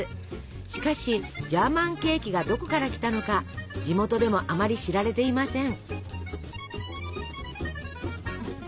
しかし「ジャーマンケーキ」がどこから来たのか地元でもあまり知られていません。